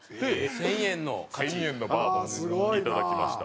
１０００円のバーボンいただきました。